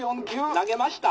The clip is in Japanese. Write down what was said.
「投げました」。